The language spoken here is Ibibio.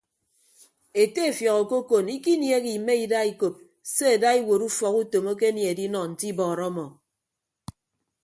Ete efiọk okokon ikiniehe ime ida ikop se ada iwuot ufọk utom akenie edinọ nte ibọọrọ ọmọ.